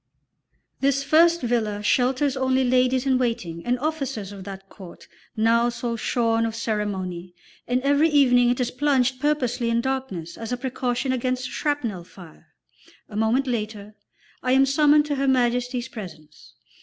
This first villa shelters only ladies in waiting and officers of that court now so shorn of ceremony, and every evening it is plunged purposely in darkness as a precaution against shrapnel fire. A moment later I am summoned to Her Majesty's presence.